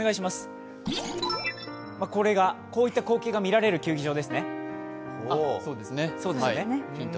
こういった光景が見られる競技場ですね。